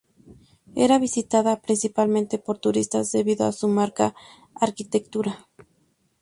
Era visitada principalmente por turistas debido a su marcada arquitectura.